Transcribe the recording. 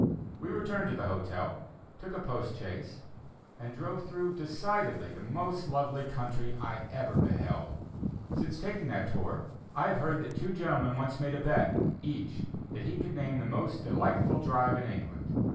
We returned to the hotel, took a post chaise, and drove through decidedly the most lovely country I ever beheld. Since taking that tour, I have heard that two gentlemen once made a bet, each, that he could name the most delightful drive in England.